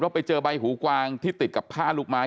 ไปเจอใบหูกวางที่ติดกับผ้าลูกไม้